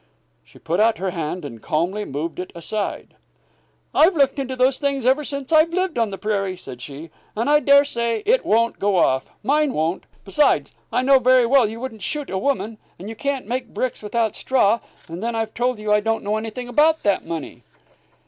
She put out her hand and calmly moved it aside. "I've looked into those things ever since I've lived on the prairie," said she. "And I dare say it won't go off mine won't. Besides, I know very well you wouldn't shoot a woman, and you can't make bricks without straw; and then I've told you I don't know anything about that money."